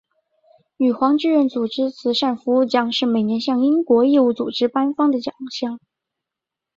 女皇志愿组织慈善服务奖是每年向英国义务组织颁发的奖项。